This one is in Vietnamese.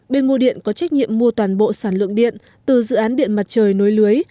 bên mua điện có trách nhiệm mua toàn bộ sản lượng điện từ dự án điện mặt trời nối lưới